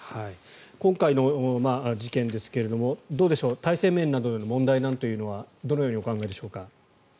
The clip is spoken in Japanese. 今回の事件ですがどうでしょう、体制面などでの問題なんていうのはどのようにお考えでしょうか。